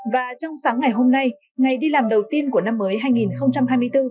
và trong sáng ngày hôm nay ngày đi làm đầu tiên của năm mới hai nghìn hai mươi bốn